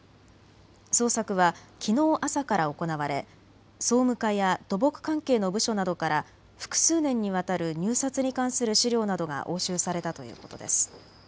捜索はきのう朝から行われ総務課や土木関係の部署などから複数年にわたる入札に関する資料などが押収されたということです。